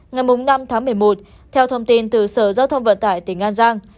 ngày năm tháng một mươi một theo thông tin từ sở giao thông vận tải tỉnh an giang